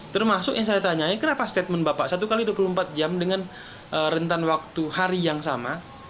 termasuk yang saya tanya kenapa statement bapak satu x dua puluh empat jam dengan rentan waktu hari yang sama